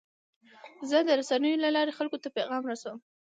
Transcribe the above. زه د رسنیو له لارې خلکو ته پیغام رسوم.